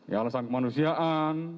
ya alasan kemanusiaan